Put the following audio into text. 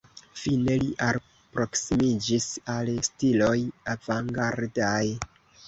Fine li alproksimiĝis al stiloj avangardaj.